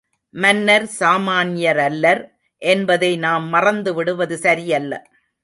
மன்னர் சாமான்யரல்லர் என்பதை நாம் மறந்துவிடுவது சரியல்ல.